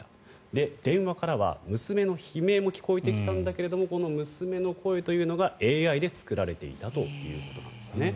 で、電話からは娘の悲鳴も聞こえてきたんだけどこの娘の声というのがＡＩで作られていたということです。